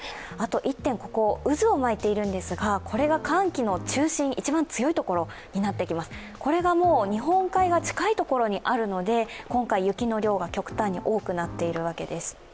１点、ここに渦を巻いているんですが、ここが寒気の中心、一番強いところになるわけですが、これが日本海側に近い所にあるので今回、雪の量が極端に多くなってるわけです。